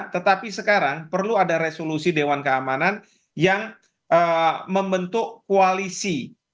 tetapi sekarang perlu ada resolusi dewan keamanan yang membentuk koalisi